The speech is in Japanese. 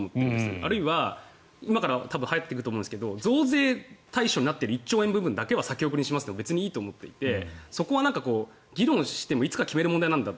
あるいは、今から入っていくと思いますが増税対象になっている１兆円部分だけは先送りにしますでも別にいいと思っていてそこは議論してもいつか決める問題なんだと。